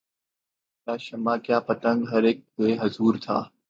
کیا شمع کیا پتنگ ہر اک بے حضور تھا